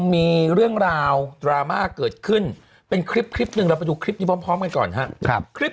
มีเรื่องราวดราม่าเกิดขึ้นเป็นคลิปหนึ่งเราไปดูคลิปนี้พร้อมกันก่อนครับ